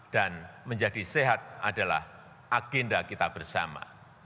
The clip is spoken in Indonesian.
dan menjadi sehat adalah agenda kita bersama